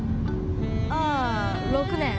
ああ６年。